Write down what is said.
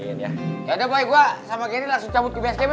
yaudah boy gua sama genny langsung cabut ke bskm ya